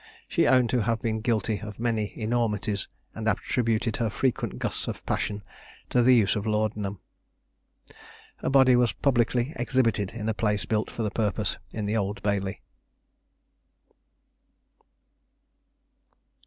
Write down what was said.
She owned to have been guilty of many enormities, and attributed her frequent gusts of passion to the use of laudanum. Her body was publicly exhibited in a place built for the purpose in the Old Bailey.